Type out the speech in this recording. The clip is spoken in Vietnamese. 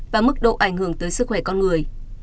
và mức độ ảnh hưởng tới sức khỏe con người